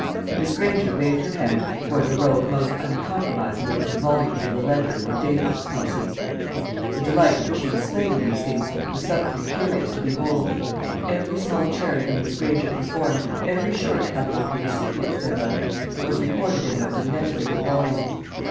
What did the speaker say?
Miss Granger waved her hand towards a row of most uncompromising looking volumes of the ledger or day book species. The delight which she displayed in these things was something curious to behold. Every small charity Miss Granger performed, every shortcoming of the recipients thereof, was recorded in those inexorable volumes.